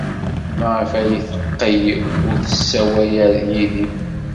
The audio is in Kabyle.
Maɣef ay teqqel ur tessawal yid-i?